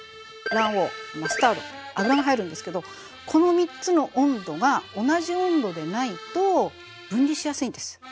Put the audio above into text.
卵黄マスタード油が入るんですけどこの３つの温度が同じ温度でないと分離しやすいんです。